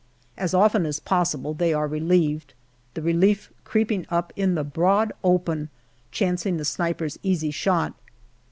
As often as possible they are relieved, the relief creeping up in the broad open, chancing the sniper's easy shot.